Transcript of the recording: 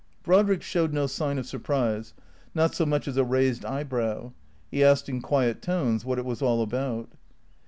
Brodrick showed no sign of surprise, not so much as a raised eyebrow. He asked in quiet tones what it was all about